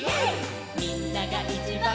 「みんながいちばん」